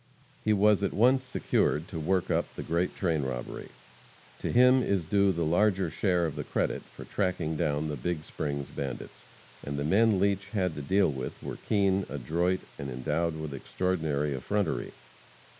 He was at once secured to work up the great train robbery. To him is due the larger share of the credit for tracking down the Big Springs bandits. And the men Leach had to deal with were keen, adroit, and endowed with extraordinary effrontery.